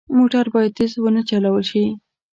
موټر باید تېز نه وچلول شي.